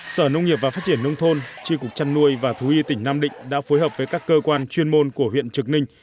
sở nông nghiệp và phát triển nông thôn tri cục trăn nuôi và thú y tỉnh nam định đã phối hợp với các cơ quan chuyên môn của huyện trực ninh